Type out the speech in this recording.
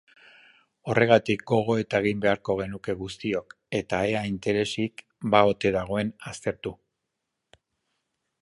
Horregatik gogoeta egin beharko genuke guztiok eta ea interesik ba ote dagoen aztertu.